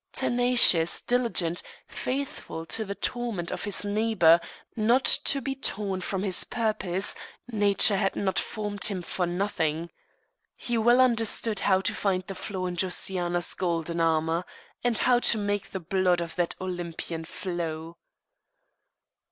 Tenacious, diligent, faithful to the torment of his neighbour, not to be torn from his purpose, nature had not formed him for nothing. He well understood how to find the flaw in Josiana's golden armour, and how to make the blood of that Olympian flow.